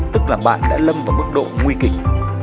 tức là bạn đã lâm vào mức độ nguy kịch